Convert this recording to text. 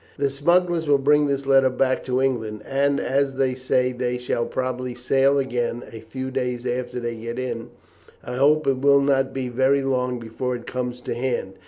The smugglers will bring this letter back to England, and as they say they shall probably sail again a few days after they get in, I hope it will not be very long before it comes to hand.